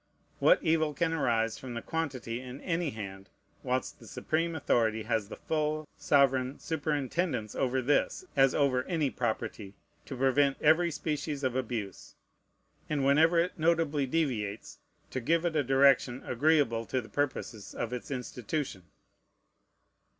What evil can arise from the quantity in any hand, whilst the supreme authority has the full, sovereign superintendence over this, as over any property, to prevent every species of abuse, and whenever it notably deviates, to give to it a direction agreeable to the purposes of its institution?